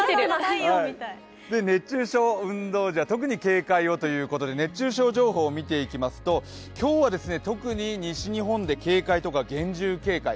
熱中症、運動時は特に警戒をということで熱中症情報を見ていきますと今日は特に西日本で警戒とか厳重警戒。